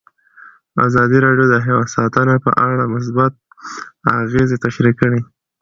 ازادي راډیو د حیوان ساتنه په اړه مثبت اغېزې تشریح کړي.